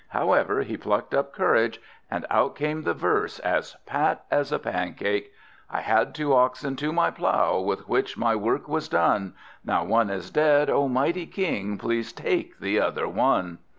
However, he plucked up courage, and out came the verse, as pat as a pancake: "I had two oxen to my plough, with which my work was done. Now one is dead: O, mighty king, please take the other one!"